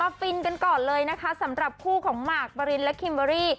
มาฟินส์กันก่อนสำหรับคู่ของมาริ้นและคิมเบอร์รี่